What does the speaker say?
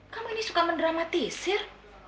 kamu ini suka mendramatisir